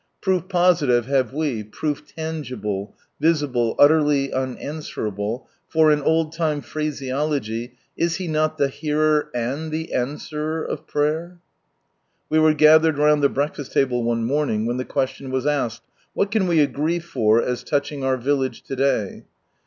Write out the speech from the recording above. Proof positive have we, proof tangible, visible, utterly unanswerable, for, in old time phraseology, "Is He not the Hearer and the Answertr of prayer?" We were gathered round the breakfast table one morning when the question was asked, " What can we agree for as touching our village to day?"